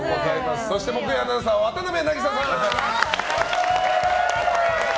そして木曜アナウンサー渡邊渚さん！お願いします。